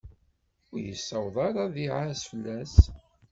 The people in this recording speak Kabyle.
Ur yessaweḍ ara ad iɛas fell-as.